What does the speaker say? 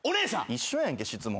一緒やんけ質問。